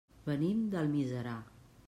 Venim d'Almiserà.